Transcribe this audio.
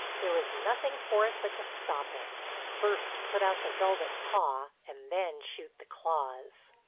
There was nothing for it but to stop him, first put out the velvet paw and then shoot the claws.